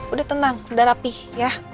udah tenang udah rapih ya